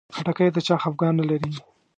خټکی د چا خفګان نه لري.